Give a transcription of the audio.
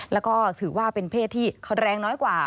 แล้วก็ถือว่าเป็นเพศที่แรงน้อยกว่า